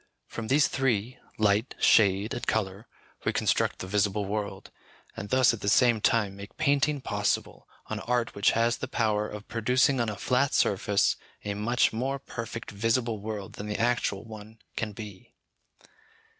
From these three, light, shade, and colour, we construct the visible world, and thus, at the same time, make painting possible, an art which has the power of producing on a flat surface a much more perfect visible world than the actual one can be.